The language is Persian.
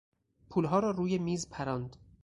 پولها را روی میز پراند.